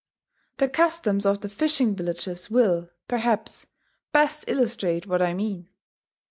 The customs of the fishing villages will, perhaps, best illustrate what I mean.